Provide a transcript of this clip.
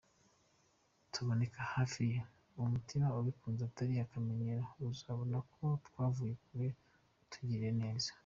Tuboneke hafi ye n’umutima ubikunze atari akamenyero, azabona ko twavuye kure atugirire neza.